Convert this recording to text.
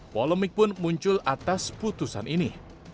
polemik pun muncul atas putusan ini